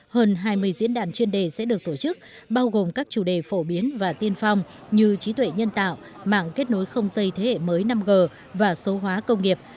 hơn hai mươi diễn đàn chuyên đề sẽ được tổ chức bao gồm các chủ đề phổ biến và tiên phong như trí tuệ nhân tạo mạng kết nối không dây thế hệ mới năm g và số hóa công nghiệp